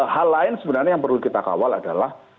hal lain sebenarnya yang perlu kita kawal adalah